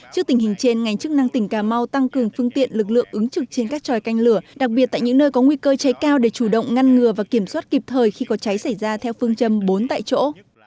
trước tình hình trên ngành chức năng tỉnh cà mau tăng cường phương tiện lực lượng ứng trực trên các tròi canh lửa đặc biệt tại những nơi có nguy cơ cháy cao để chủ động ngăn ngừa và kiểm soát kịp thời khi có cháy xảy ra theo phương châm bốn tại chỗ